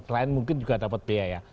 lain mungkin juga dapat biaya